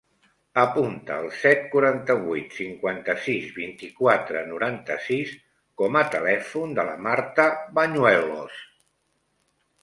Apunta el set, quaranta-vuit, cinquanta-sis, vint-i-quatre, noranta-sis com a telèfon de la Marta Bañuelos.